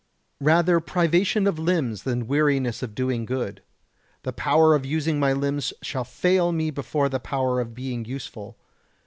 113. Rather privation of limbs than weariness of doing good. The power of using my limbs shall fail me before the power of being useful.